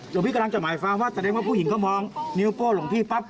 หลวงพี่กำลังจะหมายความว่าแสดงว่าผู้หญิงเขามองนิ้วโป้หลวงพี่ปั๊บ